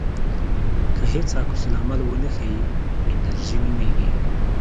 که هیڅ عکس العمل ونه ښیې انېرژي نومېږي.